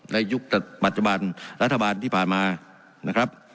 ยุคปัจจุบันรัฐบาลที่ผ่านมานะครับ